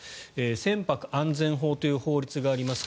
船舶安全法という法律があります